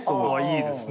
いいですね。